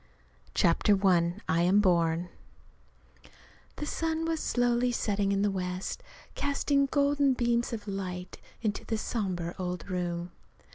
CHAPTER I I AM BORN The sun was slowly setting in the west, casting golden beams of light into the somber old room.